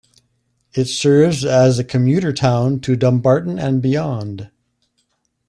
It serves as a commuter town to Dumbarton and beyond.